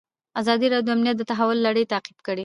ازادي راډیو د امنیت د تحول لړۍ تعقیب کړې.